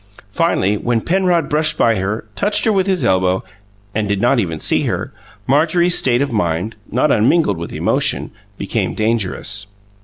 Finally, when Penrod brushed by her, touched her with his elbow, and, did not even see her, Marjorie's state of mind (not unmingled with emotion!) became dangerous.